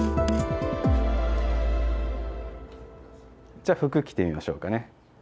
じゃあ服着てみましょうかね。